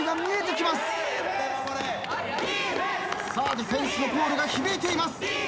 ディフェンスのコールが響いています。